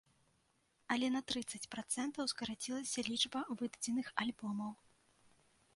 Але на трыццаць працэнтаў скарацілася лічба выдадзеных альбомаў.